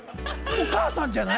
お母さんじゃない？